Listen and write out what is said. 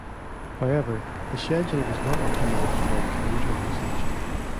However, the schedule was not optimized for commuter usage.